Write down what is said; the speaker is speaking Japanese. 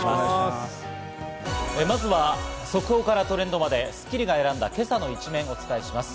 まずは速報からトレンドまで『スッキリ』が選んだ今朝の一面をお伝えします。